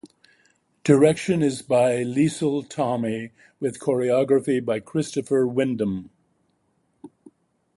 Direction is by Liesl Tommy with choreography by Christopher Windom.